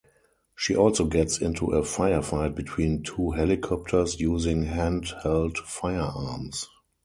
She also gets into a firefight between two helicopters, using handheld firearms.